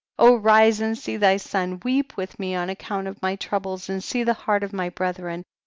32. rise and see thy son, weep with me on account of my troubles, and see the heart of my brethren.